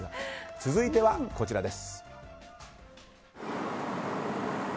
続いてはこちらです。